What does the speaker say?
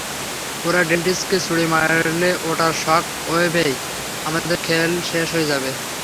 ওরা ডেস্টিনিকে ছুড়ে মারলে ওটার শক ওয়েভেই আমাদের খেল শেষ হয়ে যাবে!